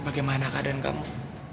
bagaimana keadaan kamu